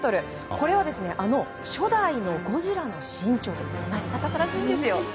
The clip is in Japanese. これはあの初代のゴジラの身長と同じ高さらしいんですよ。